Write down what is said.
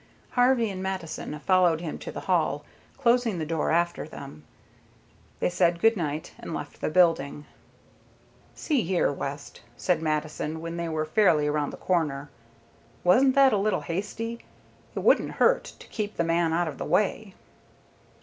Harvey and Mattison followed him to the hall, closing the door after them. They said good night, and left the building. "See here, West," said Mattison, when they were fairly around the corner, "wasn't that a little hasty? It wouldn't hurt to keep the man out of the way."